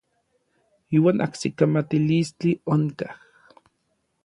Iuan ajsikamatilistli onkaj.